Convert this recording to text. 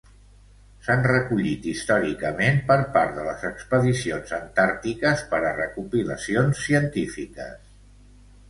S'han recollit històricament per part de les expedicions antàrtiques per a recopilacions científiques.